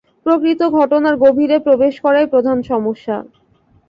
প্রকৃত ঘটনার গভীরে প্রবেশ করাই প্রধান সমস্যা।